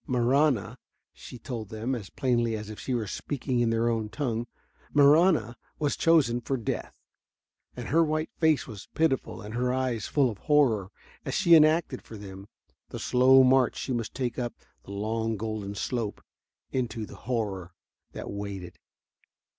Marahna, she told them, as plainly as if she were speaking in their own tongue, Marahna was chosen for death. And her white face was pitiful and her eyes full of horror as she enacted for them the slow march she must take up the long golden slope and into the horror that waited.